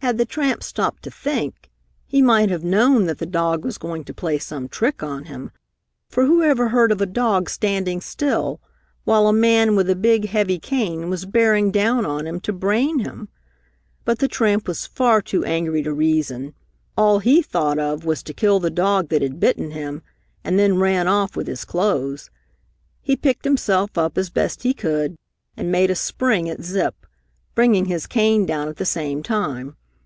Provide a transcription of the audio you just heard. Had the tramp stopped to think, he might have known that the dog was going to play some trick on him, for who ever heard of a dog standing still while a man with a big, heavy cane was bearing down on him to brain him? But the tramp was far too angry to reason. All he thought of was to kill the dog that had bitten him and then ran off with his clothes. He picked himself up as best he could, and made a spring at Zip, bringing his cane down at the same time.